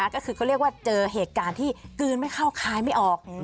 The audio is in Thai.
ก็คือเขาเรียกว่าเจอเหตุการณ์ที่กลืนไม่เข้าคายไม่ออก